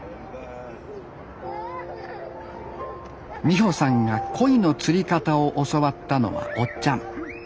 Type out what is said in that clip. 美帆さんがコイの釣り方を教わったのはおっちゃん。